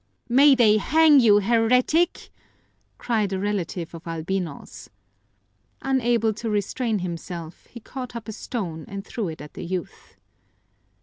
"May they hang you, heretic!" cried a relative of Albino's. Unable to restrain himself, he caught up a stone and threw it at the youth.